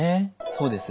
そうです。